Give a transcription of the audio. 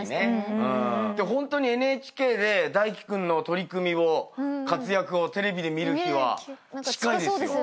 ホントにＮＨＫで泰輝君の取組を活躍をテレビで見る日は近いですよ。